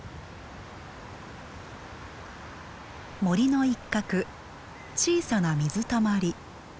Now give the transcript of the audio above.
森の一角小さな水たまり。